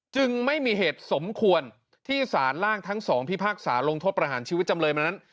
จึงไม่มีเหตุสมควรที่สารล่างทั้งสองพิพากษาลงโทษประหารชีวิตจำเลยมานั้น